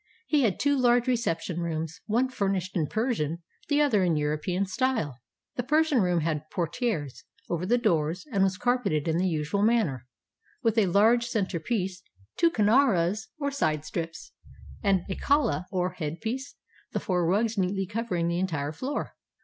He had two large reception rooms, one furnished in Persian, the other in European style. The Persian room had portieres over the doors, and was carpeted in the usual manner, with a larger center piece, two kenarehs or side strips, and a kala or head piece, the four rugs neatly covering the entire floor.